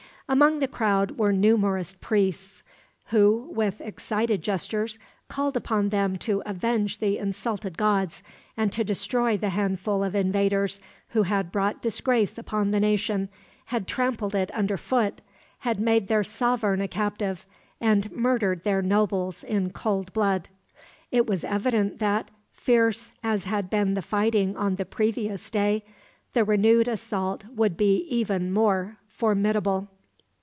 Among the crowd were numerous priests who, with excited gestures, called upon them to avenge the insulted gods, and to destroy the handful of invaders who had brought disgrace upon the nation, had trampled it under foot, had made their sovereign a captive, and murdered their nobles in cold blood. It was evident that, fierce as had been the fighting on the previous day, the renewed assault would be even more formidable.